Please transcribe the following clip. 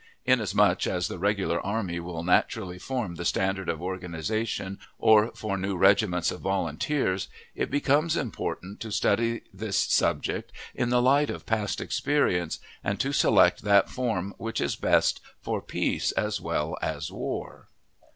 Inasmuch as the Regular Army will naturally form the standard of organization for any increase or for new regiments of volunteers, it becomes important to study this subject in the light of past experience, and to select that form which is best for peace as well as war.